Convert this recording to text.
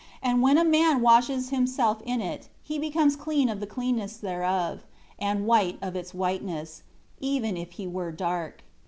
3 And when a man washes himself in it, he becomes clean of the cleanness thereof, and white of its whiteness even if he were dark.